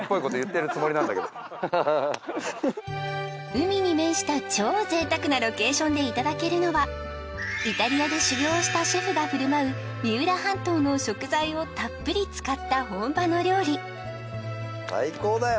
海に面した超贅沢なロケーションでいただけるのはイタリアで修業をしたシェフが振る舞う三浦半島の食材をたっぷり使った本場の料理最高だよ